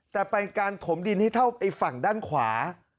แต่เป็นการถมดินให้เท่าไอ้ฝั่งด้านขวา